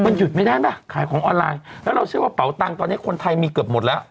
มันหยุดไม่ได้ป่ะขายของออนไลน์แล้วเราเชื่อว่าเป่าตังค์ตอนนี้คนไทยมีเกือบหมดแล้ว